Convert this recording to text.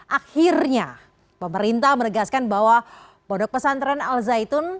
akhirnya pemerintah menegaskan bahwa pondok pesantren al zaitun